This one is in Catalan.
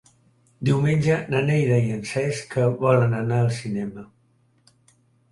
Diumenge na Neida i en Cesc volen anar al cinema.